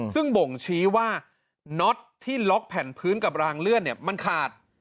ซึ่งบ่งชี้ว่าน็อตที่ล็อกแผ่นพื้นกับรางเลื่อนมันขาด